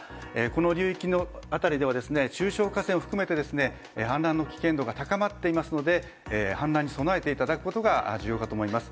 この流域の辺りでは中小河川を含めて氾濫の危険度が高まっていますので氾濫に備えていただくことが重要です。